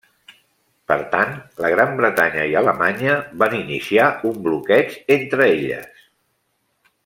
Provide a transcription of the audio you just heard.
Per tant, la Gran Bretanya i Alemanya van iniciar un bloqueig entre elles.